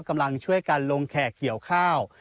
กำลังช่วยกันลงแขกเกี่ยวข้าว